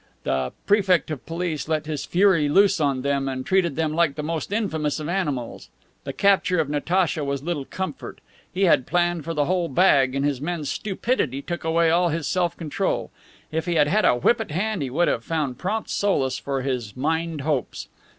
The Prefect of Police let his fury loose on them and treated them like the most infamous of animals. The capture of Natacha was little comfort. He had planned for the whole bag, and his men's stupidity took away all his self control. If he had had a whip at hand he would have found prompt solace for his mined hopes.